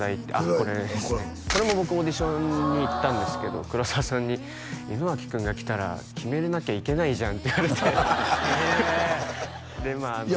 これですねこれも僕オーディションに行ったんですけど黒沢さんに井之脇君が来たら決めなきゃいけないじゃんって言われていや